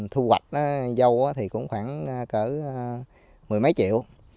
thu hoạch dâu thì cũng khoảng cỡ mười mấy triệu